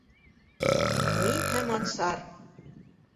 Мин һәм Ансар!